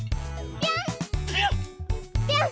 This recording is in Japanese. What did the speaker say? ぴょん！